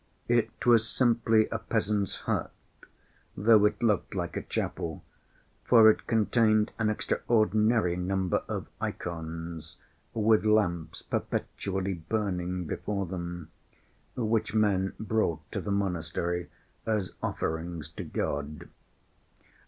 It was simply a peasant's hut, though it looked like a chapel, for it contained an extraordinary number of ikons with lamps perpetually burning before them—which men brought to the monastery as offerings to God.